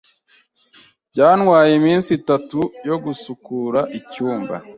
Byantwaye iminsi itatu yo gusukura icyumba.